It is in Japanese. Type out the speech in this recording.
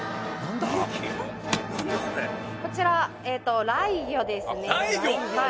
こちらライギョですねライギョ！？